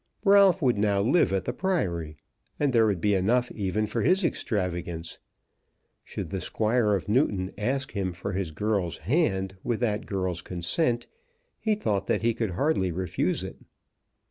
Ralph would now live at the Priory, and there would be enough even for his extravagance. Should the Squire of Newton ask him for his girl's hand with that girl's consent, he thought that he could hardly refuse it.